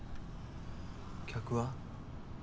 客は？